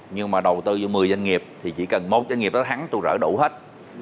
nhưng mà đầu tư cho một mươi doanh nghiệp thì chỉ cần một doanh nghiệp đó thắng tôi rỡ đủ hết